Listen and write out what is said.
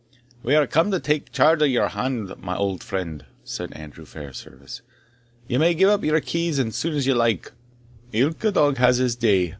"We are come to tak your charge aff your hand, my auld friend," said Andrew Fairservice; "ye may gie up your keys as sune as ye like ilka dog has his day.